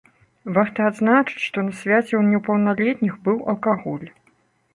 Варта адзначыць, што на свяце ў непаўналетніх быў алкаголь.